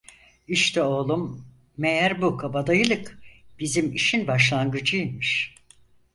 İşte oğlum, meğer bu kabadayılık bizim işin başlangıcı imiş.